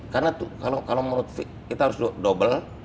karena kalau menurut v kita harus double